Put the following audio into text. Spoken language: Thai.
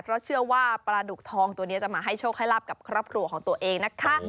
เพราะเชื่อว่าปลาดุกทองตัวนี้จะมาให้โชคให้ลาบกับครอบครัวของตัวเองนะคะ